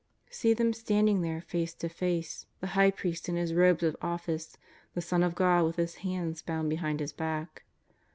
See them standing there' face to face — the High priest in his robes of office, the Son of God with His hands bound behind His back.